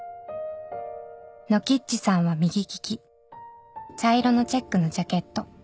「ノキッチさんは右利き茶色のチェックのジャケット」